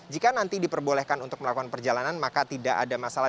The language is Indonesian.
jika nanti diperbolehkan untuk melakukan perjalanan maka tidak ada masalah